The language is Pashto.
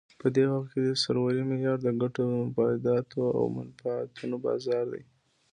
په دې وخت کې د سرورۍ معیار د ګټو، مفاداتو او منفعتونو بازار دی.